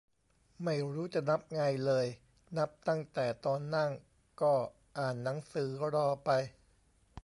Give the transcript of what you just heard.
ไม่รู้จะนับไง เลยนับตั้งแต่ตอนนั่ง ก็อ่านหนังสือรอไป